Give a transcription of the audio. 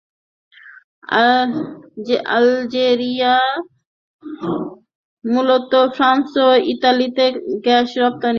Algeria মূলত France ও ইতালিতে গ্যাস রপ্তানি করে।